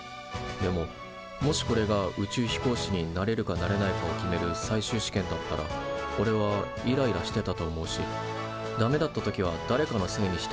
でももしこれが宇宙飛行士になれるかなれないかを決める最終試験だったらおれはイライラしてたと思うしダメだった時はだれかのせいにしてたんじゃないかと思う。